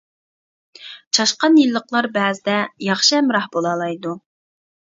چاشقان يىللىقلار بەزىدە ياخشى ھەمراھ بولالايدۇ.